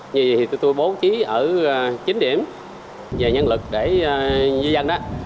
như vậy thì tôi bố trí ở chín điểm về nhân lực để di dân đó